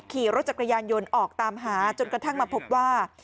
ขี่รถจักรยานยนต์ออกตามหาจนกระทั่งมาพบว่า